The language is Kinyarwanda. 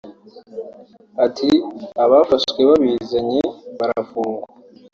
Ati “Abafashwe babizanye barafungwa